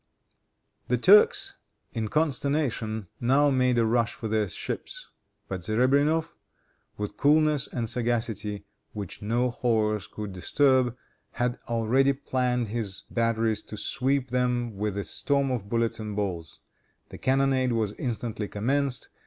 The Turks, in consternation, now made a rush for their ships. But Zerebrinow, with coolness and sagacity which no horrors could disturb, had already planted his batteries to sweep them with a storm of bullets and balls. The cannonade was instantly commenced.